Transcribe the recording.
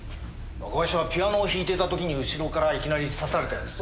ガイシャはピアノを弾いていた時に後ろからいきなり刺されたようです。